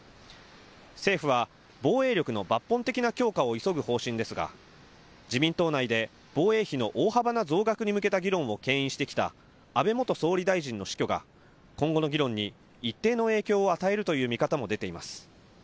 政府は防衛力の抜本的な強化を急ぐ方針ですが自民党内で防衛費の大幅な増額に向けた議論をけん引してきた安倍元総理大臣の死去が今後の議論に一定の影響を与えるという見方も出ています。